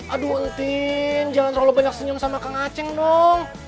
aduh entin jangan terlalu banyak senyum sama kang aceng dong